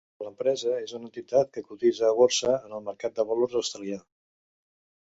L'empresa és una entitat que cotitza a borsa en el Mercat de Valors Australià.